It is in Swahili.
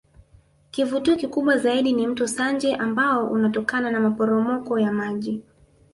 Kivutio kikubwa zaidi ni Mto Sanje ambao unatoa maporomoko ya maji